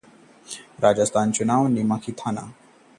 राजस्थान चुनाव: क्या फिर बीजेपी के खाते में जाएगी नीम का थाना?